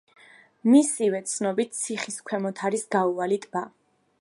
მისივე ცნობით ციხის ქვემოთ არის გაუვალი ტბა.